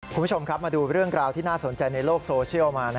คุณผู้ชมครับมาดูเรื่องราวที่น่าสนใจในโลกโซเชียลมา